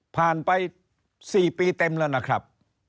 ไป๔ปีเต็มแล้วนะครับ